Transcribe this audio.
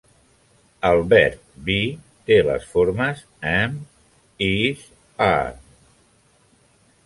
El verb "be" té les formes "am", "is", "are".